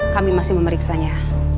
kami masih memeriksanya